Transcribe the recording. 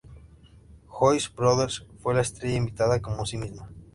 Joyce Brothers fue la estrella invitada, como sí misma.